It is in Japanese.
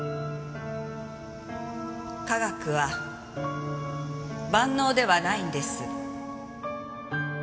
科学は万能ではないんです。